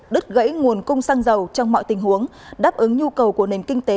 đứt gãy nguồn cung xăng dầu trong mọi tình huống đáp ứng nhu cầu của nền kinh tế